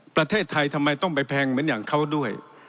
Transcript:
ประเทศไทยทำไมต้องไปแพงเหมือนอย่างเขาด้วย